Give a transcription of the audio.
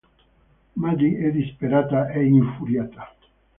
Maddy è disperata e infuriata.